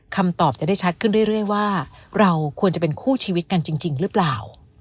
คำตอบจะได้ชัดขึ้นเรื่อยว่าเราควรจะเป็นคู่ชีวิตกันจริงหรือเปล่า